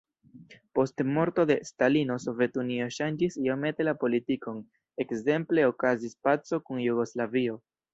Post morto de Stalino Sovetunio ŝanĝis iomete la politikon, ekzemple okazis paco kun Jugoslavio.